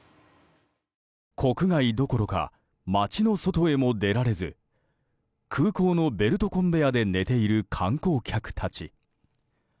国外どころか街の外へも出られず空港のベルトコンベヤーで寝ている観光客たち。